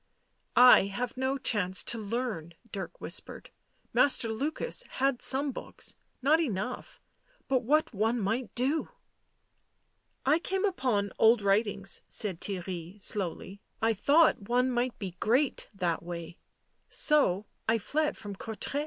" I have no chance to learn," Dirk whispered. " Master Lukas had some books — not enough — but what one might do !"" I came upon old writings," said Theirry slowly. " I thought one might be great — that way, so, I fled from Courtrai."